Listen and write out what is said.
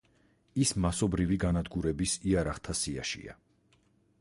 ის მასობრივი განადგურების იარაღთა სიაშია.